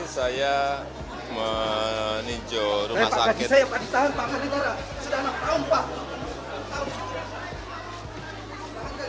saya meninjau rumah sakit